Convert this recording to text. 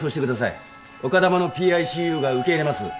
丘珠のＰＩＣＵが受け入れます。